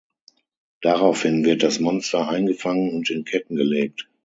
Daraufhin wird das Monster eingefangen und in Ketten gelegt.